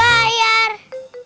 hah ya udah